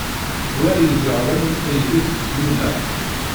D wa ay d iɣrem aydeg d-luleɣ.